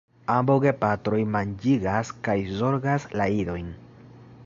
Ambaŭ gepatroj manĝigas kaj zorgas la idojn.